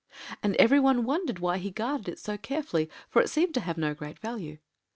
And every one wondered why he guarded it so carefully, for it seemed to have no great value.